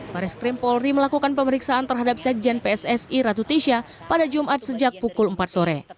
baris krim polri melakukan pemeriksaan terhadap sekjen pssi ratu tisha pada jumat sejak pukul empat sore